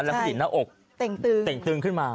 แล้วผู้หญิงหน้าอกเต่งตึงขึ้นมา